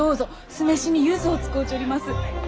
酢飯にゆずを使うちょります。